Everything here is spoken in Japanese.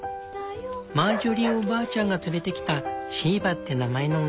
マージョリーおばあちゃんが連れてきたシーバって名前の女の子。